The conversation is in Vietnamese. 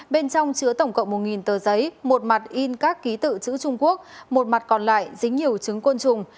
bên trong chứa tổng cộng một tờ giấy một mặt in các ký tự chữ trung quốc một mặt còn lại dính nhiều trứng côn trùng